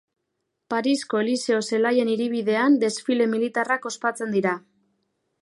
Parisko Eliseo Zelaien hiribidean desfile militarrak ospatzen dira.